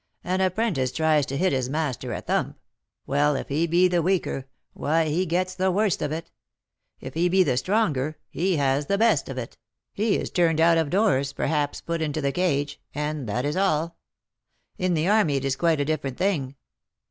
An apprentice tries to hit his master a thump; well, if he be the weaker, why, he gets the worst of it; if he be the stronger, he has the best of it; he is turned out of doors, perhaps put into the cage, and that is all. In the army it is quite a different thing.